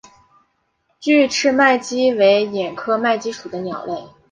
距翅麦鸡为鸻科麦鸡属的鸟类。